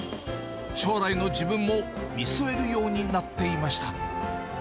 将来の自分も見据えるようになっていました。